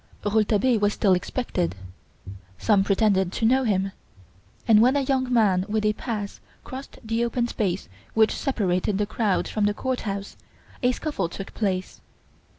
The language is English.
Rouletabille was still expected. Some pretended to know him; and when a young man with a "pass" crossed the open space which separated the crowd from the Court House, a scuffle took place.